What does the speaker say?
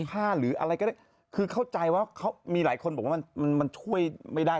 หรืออะไรก็ได้คือเข้าใจว่าเขามีหลายคนบอกว่ามันมันช่วยไม่ได้